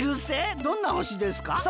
どんなほしですか？